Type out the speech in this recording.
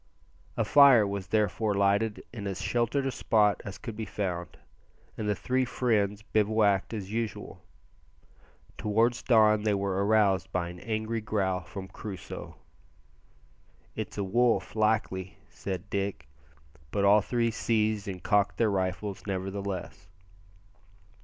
A fire was therefore lighted in as sheltered a spot as could be found, and the three friends bivouacked as usual. Towards dawn they were aroused by an angry growl from Crusoe. "It's a wolf likely," said Dick, but all three seized and cocked their rifles nevertheless.